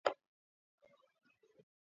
მდებარეობს პოლტავის ოლქის ორჟიცის რაიონში.